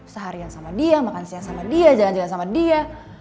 seharian sama dia makan siang sama dia jalan jalan sama dia